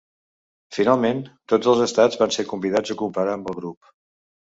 Finalment, tots els estats van ser convidats a cooperar amb el grup.